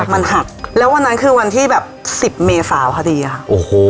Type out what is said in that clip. มันหักแล้ววันนั้นคือวันที่แบบสิบเมษาพอดีอะค่ะโอ้โห